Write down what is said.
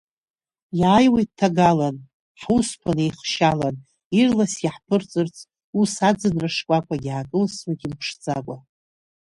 Иааиуеит ҭагалан, ҳусқәа неихшьалан, ирлас иаҳԥырҵырц, ус, аӡынра шкәакәагь аакылсуеит имԥшӡакәа…